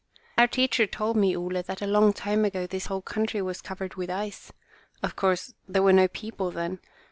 "Our teacher told me, Ole, that a long time ago this whole country was covered with ice. Of course, there were no people then.